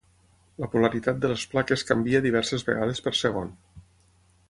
La polaritat de les plaques canvia diverses vegades per segon.